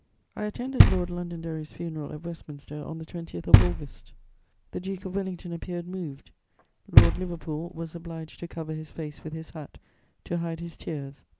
I attended Lord Londonderry's funeral at Westminster on the 20th of August. The Duke of Wellington appeared moved; Lord Liverpool was obliged to cover his face with his hat to hide his tears.